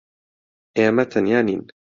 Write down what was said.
ئێمە تەنیا نین.